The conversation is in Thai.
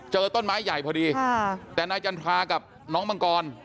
ต้นไม้ใหญ่พอดีแต่นายจันทรากับน้องมังกร